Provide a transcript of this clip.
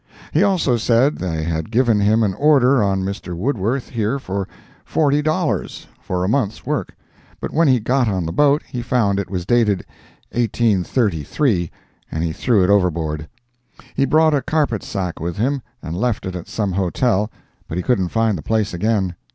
He also said they had given him an order on Mr. Woodworth here for forty dollars, for a month's work, but when he got on the boat he found it was dated "1833," and he threw it overboard. He brought a carpet sack with him, and left it at some hotel, but he can't find the place again.